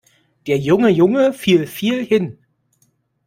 Der junge Junge fiel viel hin.